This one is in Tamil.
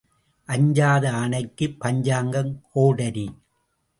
அஞ்சாத ஆனைக்குப் பஞ்சாங்கம் கோடரி.